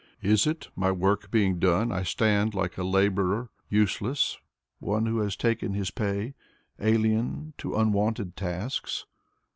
Is it, my work being done, I stand like a laborer, useless, One who has taken his pay, alien to unwonted tasks